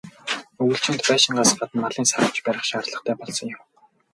Өвөлжөөнд байшингаас гадна малын "саравч" барих шаардлагатай болсон юм.